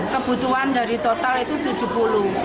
kebutuhan dari total itu rp tujuh puluh